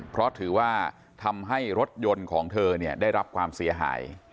เพราะถือว่าทำให้รถยนต์ของเธอได้รับความเสียหาย